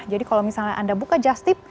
jadi kalau misalnya anda buka just tip